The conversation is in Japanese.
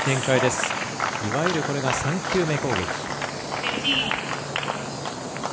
いわゆるこれが３球目攻撃。